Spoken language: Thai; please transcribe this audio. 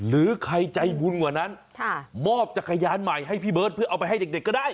หรือใครใจบุญกว่านั้นมอบจักรยานใหม่ให้พี่เบิร์ตเพื่อเอาไปให้เด็กก็ได้